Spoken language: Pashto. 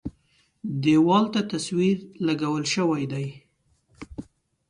دېوال ته تصویر لګول شوی دی.